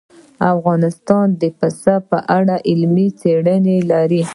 افغانستان د پسه په اړه علمي څېړنې لري.